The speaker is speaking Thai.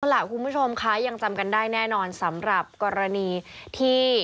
เอาล่ะคุณผู้ชมคะยังจำกันได้แน่นอนสำหรับกรณีที่